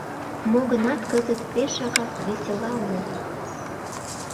Мо-гынат, кызыт пешакак весела улыт.